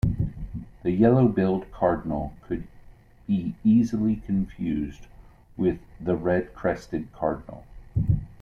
The yellow-billed cardinal could be easily confused with the red-crested cardinal.